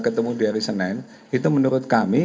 ketemu di hari senin itu menurut kami